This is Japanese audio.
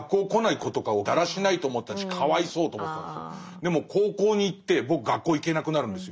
でも高校に行って僕学校行けなくなるんですよ。